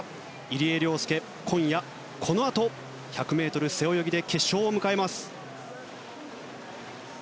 入江陵介、今夜、このあと１００ｍ背泳ぎで決勝を迎えます。